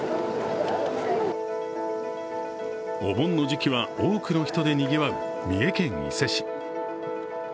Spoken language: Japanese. お盆の時期は多くの人でにぎわう三重県伊勢市。